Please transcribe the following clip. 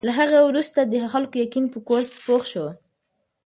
له هغې وروسته د خلکو یقین په کورس پوخ شو.